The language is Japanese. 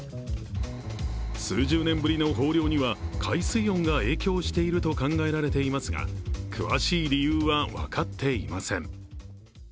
数十年ぶりの豊漁には海水温が影響していると考えられていますが詳しい理由は分かっていません。